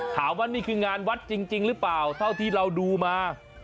ถามว่านี่คืองานวัดจริงหรือเปล่าเท่าที่เราดูมา